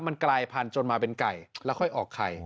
มันกลายพันธุจนมาเป็นไก่แล้วค่อยออกไข่